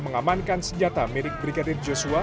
mengamankan senjata mirip brigadir joshua